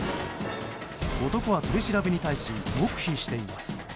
男は取り調べに対し黙秘しています。